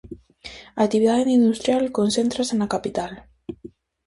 A actividade industrial concéntrase na capital.